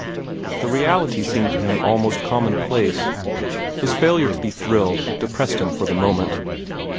The reality seemed to him almost commonplace. His failure to be thrilled depressed him for the moment.